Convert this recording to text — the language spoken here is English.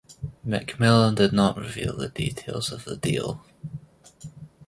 McMillan did not reveal the details of the deal.